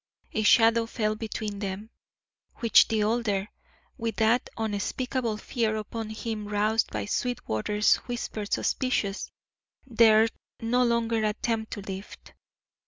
A shadow fell between them, which the older, with that unspeakable fear upon him roused by Sweetwater's whispered suspicions, dared no longer attempt to lift.